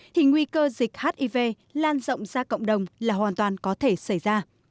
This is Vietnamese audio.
thì nguy cơ dịch hiv lan rộng ra cộng đồng là hoàn toàn có thể xảy ra